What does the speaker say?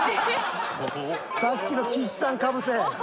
さっきの岸さんかぶせ。